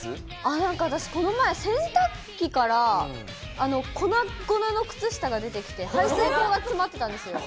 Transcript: なんか私、この前、洗濯機から粉々の靴下が出てきて、排水口が詰まってたんです。